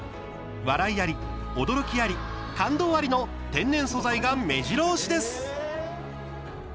笑いあり、驚きあり、感動ありの天然素材がめじろ押しです。